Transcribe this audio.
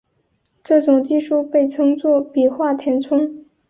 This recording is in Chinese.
这种技术被称作笔画填充。